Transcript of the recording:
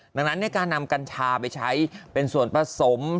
ดังนั้นการนำกัญชาไปใช้เป็นส่วนผสม